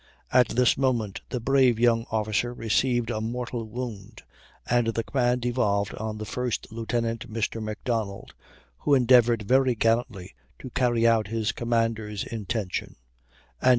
At this moment the brave young officer received a mortal wound, and the command devolved on the first lieutenant, Mr. McDonald, who endeavored very gallantly to carry out his commander's intention, and at 1.